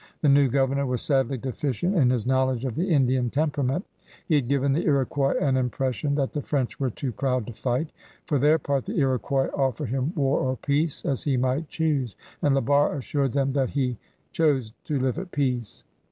The new governor was sadly deficient in his knowledge of the Indian temperament. He had given the Iroquois an impression that the French were too proud to fight. For their part the Iroquois offered him war or peace as he might choose, and La Barre assured them that he chose to live at peace.